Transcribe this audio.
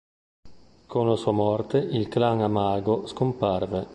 Con la sua morte il clan Amago scomparve.